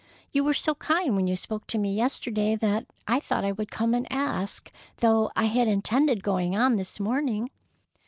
You were so kind when you spoke to me yesterday, that I thought I would come and ask though I had intended going on this morning."